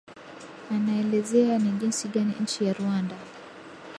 anaelezea ni jinsi gani nchi ya rwanda